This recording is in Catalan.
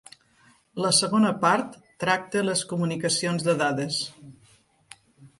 La segona part tracta les comunicacions de dades.